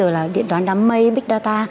vừa là điện toán đám mây big data